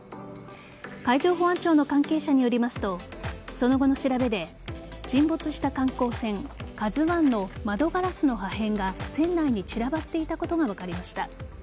海上保安庁の関係者によりますとその後の調べで沈没した観光船「ＫＡＺＵ１」の窓ガラスの破片が船内に散らばっていたことが分かりました。